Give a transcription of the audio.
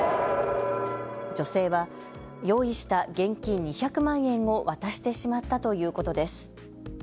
女性は用意した現金２００万円を渡してしまったということです。